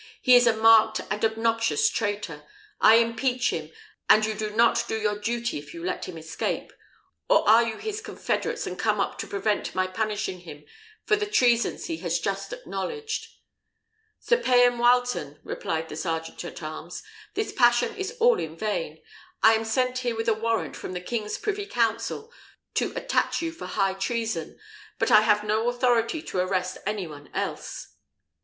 He is a marked and obnoxious traitor. I impeach him, and you do not your duty if you let him escape; or are you his confederates, and come up to prevent my punishing him for the treasons he has just acknowledged?" "Sir Payan Wileton," replied the sergeant at arms, "this passion is all in vain. I am sent here with a warrant from the king's privy council to attach you for high treason; but I have no authority to arrest any one else."